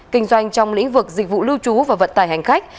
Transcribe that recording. kinh doanh trong lĩnh vực dịch vụ lưu trú và vận tải hành khách